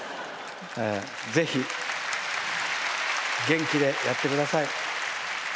ぜひ、元気でやってください。